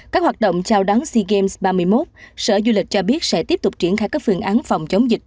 các hoạt động chào đón sea games ba mươi một sở du lịch cho biết sẽ tiếp tục triển khai các phương án phòng chống dịch